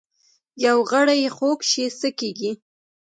یو غړی خوږ شي څه کیږي؟